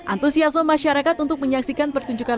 antusiasme masyarakat untuk menyaksikan pertunjukan